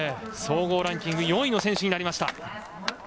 総合ランキング４位の選手になりました。